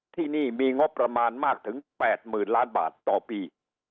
ที่นี่มีงบประมาณมากถึง๘๐๐๐ล้านบาทต่อปี